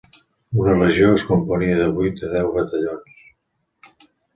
Una "legió" es componia de vuit a deu batallons